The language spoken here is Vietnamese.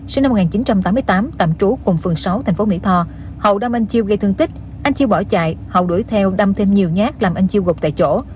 sinh năm một nghìn chín trăm tám mươi tám tạm trú cùng phường sáu tp mỹ tho hậu đã anh chiêu gây thương tích anh chiêu bỏ chạy hậu đuổi theo đâm thêm nhiều nhát làm anh chiêu gục tại chỗ